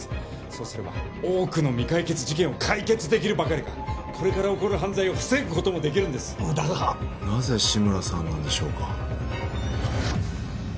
そうすれば多くの未解決事件を解決できるばかりかこれから起こる犯罪を防ぐこともできるんですだがなぜ志村さんなんでしょう